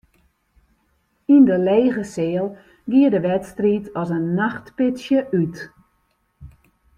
Yn de lege seal gie de wedstriid as in nachtpitsje út.